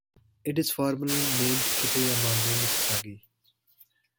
It is formally named "Kitayama no misasagi".